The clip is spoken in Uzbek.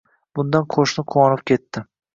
Bundan qoʻshni quvonib ketdi